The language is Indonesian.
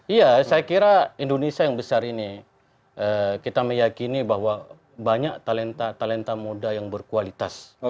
iya saya kira indonesia yang besar ini kita meyakini bahwa banyak talenta talenta muda yang berkualitas